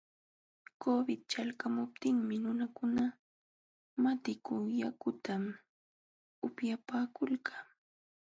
Covid ćhalqamuptinmi nunakuna matiku yakuta upyapaakulqa.